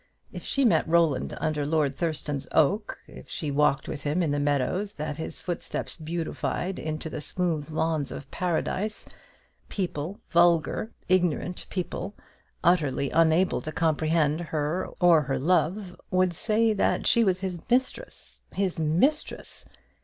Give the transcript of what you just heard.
If she met Roland under Lord Thurston's oak, if she walked with him in the meadows that his footsteps beautified into the smooth lawns of Paradise, people, vulgar, ignorant people, utterly unable to comprehend her or her love, would say that she was his mistress. His mistress!